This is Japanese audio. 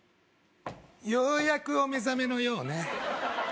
ようやくお目覚めのようね